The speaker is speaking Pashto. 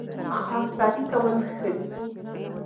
خاکساري کول ښه دي